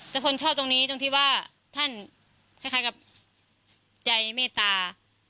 แต่คนชอบตรงนี้ตรงที่ว่าท่านคล้ายกับใจเมตตา